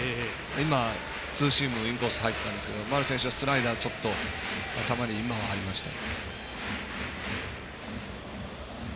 今、ツーシームインコース入ってきたんですけど丸選手、今はインサイドちょっと頭にありました。